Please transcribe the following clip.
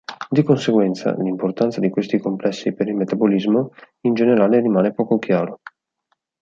Di conseguenza, l'importanza di questi complessi per il metabolismo in generale rimane poco chiaro.